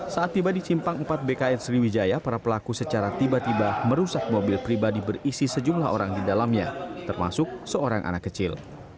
saat tiba di simpang empat bkn sriwijaya para pelaku secara tiba tiba merusak mobil pribadi berisi sejumlah orang di dalamnya termasuk seorang anak kecil